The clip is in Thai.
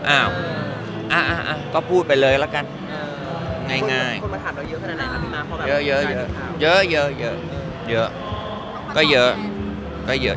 อ้าวอ้าวอ้าวก็พูดไปเลยละกันง่ายเยอะเยอะก็เยอะ